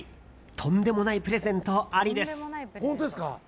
とんでもないプレゼントありです。